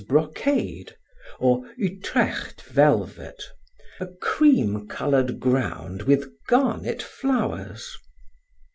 brocade, or Utrecht velvet, a cream colored ground with garnet flowers.